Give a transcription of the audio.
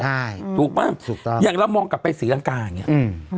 ใช่ถูกป่ะถูกต้องอย่างเรามองกลับไปศรีลังกาอย่างเงี้อืม